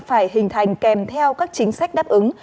phải hình thành kèm theo các chính sách đáp ứng